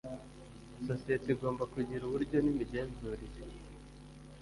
Sosiyete igomba kugira uburyo n imigenzurire